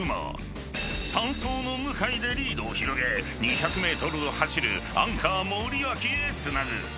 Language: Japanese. ［３走の向井でリードを広げ２００ｍを走るアンカー森脇へつなぐ］